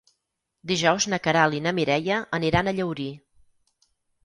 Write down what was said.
Dijous na Queralt i na Mireia aniran a Llaurí.